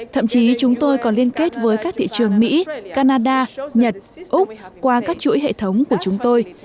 thậm chí chúng tôi còn liên kết với các thị trường mỹ canada nhật úc qua các chuỗi hệ thống của chúng tôi